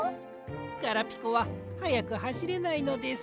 ガラピコははやくはしれないのです。